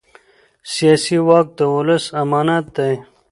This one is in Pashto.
سیاسي واک د ولس امانت دی